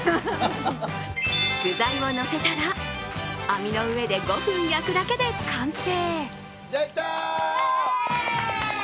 具材をのせたら、網の上で５分焼くだけで完成。